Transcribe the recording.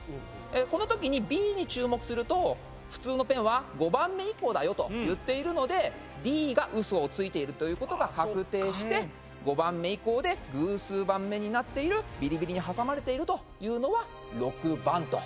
この時にＢに注目すると普通のペンは５番目以降だよと言っているのでＤがウソをついてるということが確定して５番目以降で偶数番目になっているビリビリに挟まれているというのは６番と。